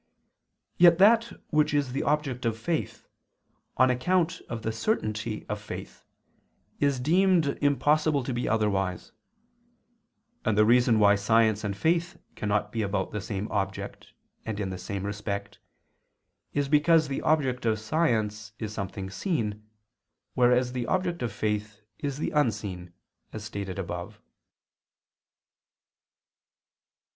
Yet that which is the object of faith, on account of the certainty of faith, is also deemed impossible to be otherwise; and the reason why science and faith cannot be about the same object and in the same respect is because the object of science is something seen whereas the object of faith is the unseen, as stated above.